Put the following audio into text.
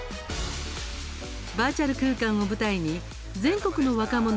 バーチャル空間を舞台に全国の若者